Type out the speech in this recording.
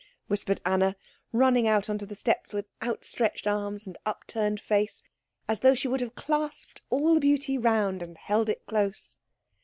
whispered Anna, running out on to the steps with outstretched arms and upturned face, as though she would have clasped all the beauty round and held it close.